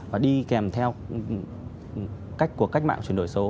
và đi kèm theo cách của cách mạng chuyển đổi số